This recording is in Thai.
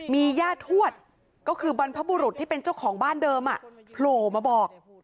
มีย่าทวดก็คือบรรพบุรุษที่เป็นเจ้าของบ้านเดิมโผล่มาบอก